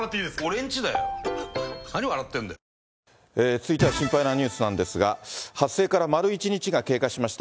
続いては心配なニュースなんですが、発生から丸１日が経過しました。